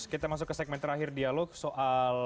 kita masuk ke segmen terakhir dialog soal